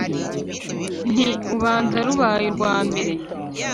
Nti: ubanza rubaye urwambere